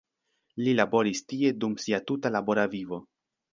Li laboris tie dum sia tuta labora vivo.